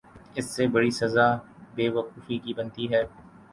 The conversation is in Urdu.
اس سے بڑی سزا بے وقوفی کی بنتی ہے۔